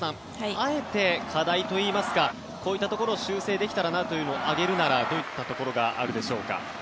あえて課題といいますかこういったところ修正できたらなというところを挙げるとしたらどういったところがあるでしょうか。